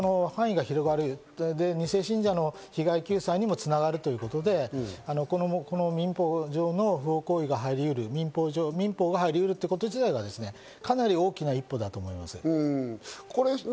こういうものも入りうるので、非常に範囲が広がるので、二世信者の被害救済にもつながるということで、民法上の不法行為が入りうる、民法が入りうるということ自体が、かなり大きな一歩だと思います。